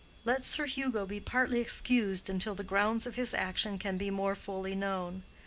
Let Sir Hugo be partly excused until the grounds of his action can be more fully known.